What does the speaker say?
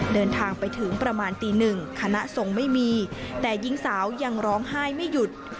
เดินทางไปถึงประมาณตีหนึ่งคณะทรงไม่มีแต่หญิงสาวยังร้องไห้ไม่หยุด